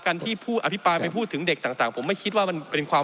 ที่ผู้อภิปรายไปพูดถึงเด็กต่างผมไม่คิดว่ามันเป็นความ